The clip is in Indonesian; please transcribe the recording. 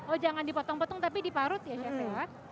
oh jangan dipotong potong tapi diparut ya chef ya